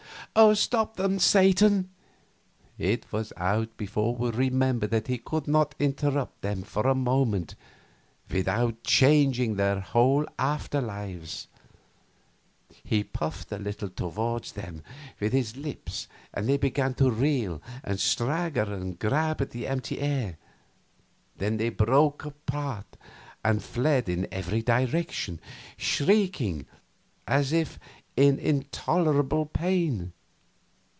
"Oh, stop them, Satan!" It was out before we remembered that he could not interrupt them for a moment without changing their whole after lives. He puffed a little puff toward them with his lips and they began to reel and stagger and grab at the empty air; then they broke apart and fled in every direction, shrieking, as if in intolerable pain.